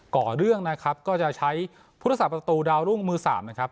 ่อเรื่องนะครับก็จะใช้พุทธศาสประตูดาวรุ่งมือสามนะครับ